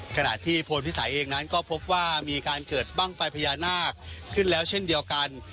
ขณะที่พลพิสัยเองนั้นก็พบว่ามีการเกิดบ้างไฟพญานาคขึ้นแล้วเช่นเดียวกัน